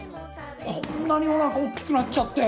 こんなにおなかおっきくなっちゃって！